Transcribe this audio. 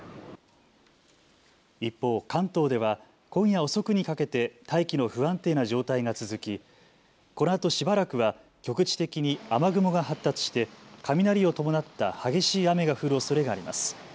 一方、関東では今夜遅くにかけて大気の不安定な状態が続きこのあとしばらくは局地的に雨雲が発達して雷を伴った激しい雨が降るおそれがあります。